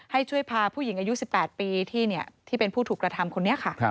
ให้ช่วยพาผู้หญิงอายุ๑๘ปีที่เป็นผู้ถูกกระทำคนนี้ค่ะ